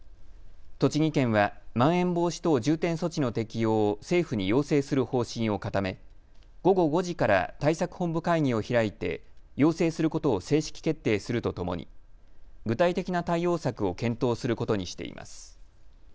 栃木県は、まん延防止等重点措置の適用を政府に要請する方針を固め午後５時から対策本部会議を開いて要請することを正式決定するとともに具体的な対応策を検討することにしています。